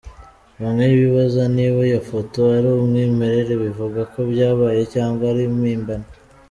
Bamwe bibaza niba iyo foto ari umwimerere bivuga ko byabaye cyangwa ari mpimbano.